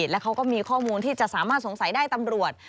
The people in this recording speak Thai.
แล้วเขาก็มีข้อมูลที่จะสามารถสงสัยได้ตำรวจ